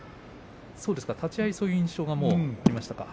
立ち合いそういう印象がありましたか？